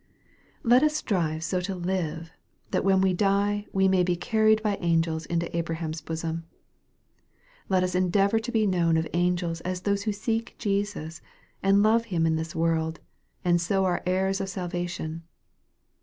Let us strive so to live, that when we die we may be carried by angels into Abraham's bosom. Let us en degvor to be known of angels as those who seek Jesus, and love Him in this world, and so are heirs of salva tion.